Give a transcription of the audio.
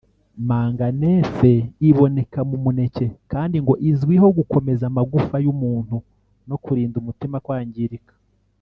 Manganese iboneka mu muneke kandi ngo izwiho gukomeza amagufwa y’umuntu no kurinda umutima kwangirika